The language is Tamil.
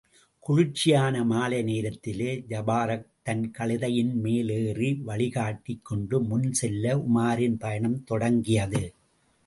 குளிர்ச்சியான மாலை நேரத்திலே ஜபாரக் தன் கழுதையின்மேல் ஏறி வழிகாட்டிக் கொண்டு முன் செல்ல உமாரின் பயணம் தொடங்கியது.